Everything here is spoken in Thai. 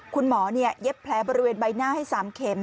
คุณหมอเย็บแผลบริเวณใบหน้าให้๓เข็ม